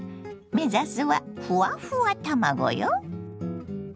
目指すはふわふわ卵よ。